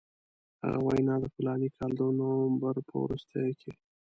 هغه وینا د فلاني کال د نومبر په وروستیو کې.